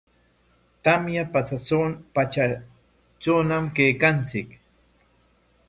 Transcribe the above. Tamya patsatrawñam kaykanchik.